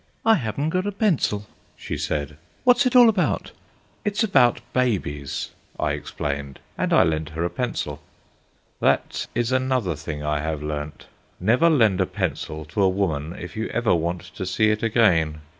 "I haven't got a pencil," she said; "what's it all about?" "It's about babies," I explained, and I lent her a pencil. That is another thing I have learnt. Never lend a pencil to a woman if you ever want to see it again.